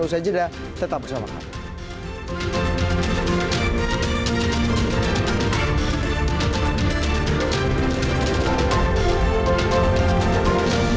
usai jeda tetap bersama kami